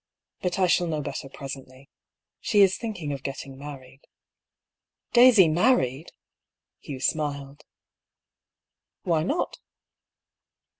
But I shall know better presently. She is thinking of getting married." " Daisy married 1 " Hugh smiled. " Why not